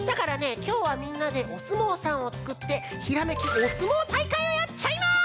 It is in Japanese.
きょうはみんなでおすもうさんをつくって「ひらめきおすもうたいかい！」をやっちゃいます！